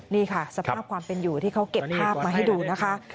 นี่ค่ะสภาพความเป็นอยู่ที่เขาเก็บภาพมาให้ดูนะคะ